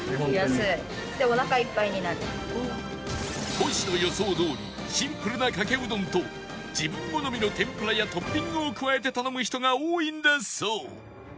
トシの予想どおりシンプルなかけうどんと自分好みの天ぷらやトッピングを加えて頼む人が多いんだそう